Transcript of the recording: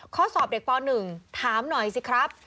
ข้อสอบเด็กป๑ถามหน่อยสิครับ